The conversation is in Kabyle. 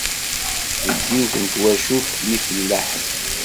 Deg yiwet n twacult n yifellaḥen.